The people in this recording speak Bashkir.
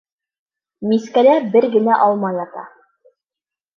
Мискәлә бер генә алма ята.